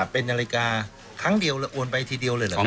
เป็นนาฬิกาครั้งเดียวโอนไปทีเดียวเลยเหรอครับ